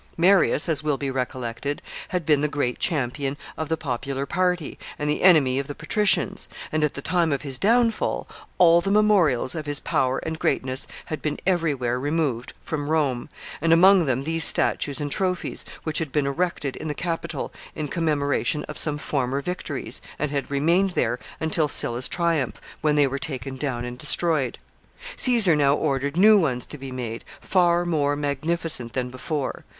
Marius, as will be recollected, had been the great champion of the popular party, and the enemy of the patricians; and, at the time of his down fall, all the memorials of his power and greatness had been every where removed from Rome, and among them these statues and trophies, which had been erected in the Capitol in commemoration of some former victories, and had remained there until Sylla's triumph, when they were taken down and destroyed. Caesar now ordered new ones to be made, far more magnificent than before.